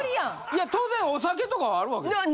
いや当然お酒とかはあるわけでしょ？